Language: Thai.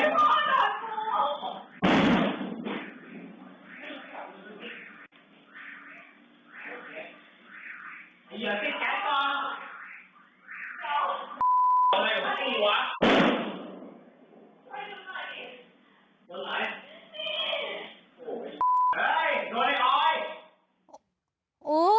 โอ๊ยพ่อโดนครู